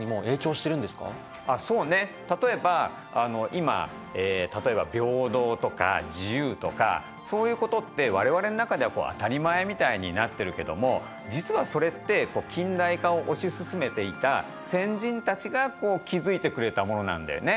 今例えば平等とか自由とかそういうことって我々の中では当たり前みたいになってるけども実はそれって近代化を推し進めていた先人たちが築いてくれたものなんだよね。